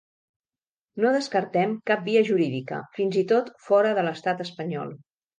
No descartem cap via jurídica, fins i tot fora de l’estat espanyol.